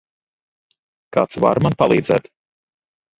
Kāds var man palīdzēt?